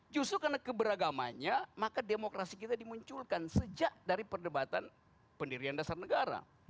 justru karena keberagamannya maka demokrasi kita dimunculkan sejak dari perdebatan pendirian dasar negara